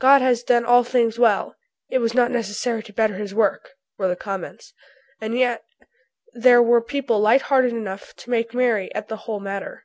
"God has done all things well; it was not necessary to better his work," were the comments. And yet there were people light hearted enough to make merry at the whole matter.